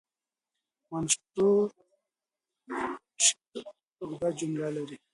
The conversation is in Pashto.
منثور شعر اوږده جملې لري.